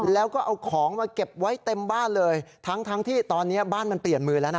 แล้วก็เอาของมาเก็บไว้เต็มบ้านเลยทั้งทั้งที่ตอนนี้บ้านมันเปลี่ยนมือแล้วนะ